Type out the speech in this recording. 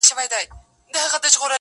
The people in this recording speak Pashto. تاته چي سجده لېږم څوک خو به څه نه وايي -